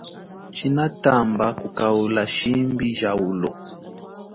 Tshinatamba kukaula shimbi ja ulo.